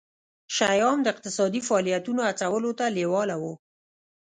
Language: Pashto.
شیام د اقتصادي فعالیتونو هڅولو ته لېواله وو.